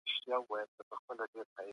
ده له ارقامو څخه پراخه ګټه اخيستې ده.